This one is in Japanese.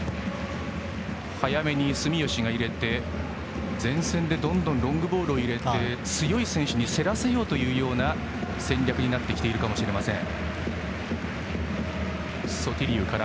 早めに住吉が前線にロングボールを入れて強い選手に競らせようというような戦略になってきているかもしれません。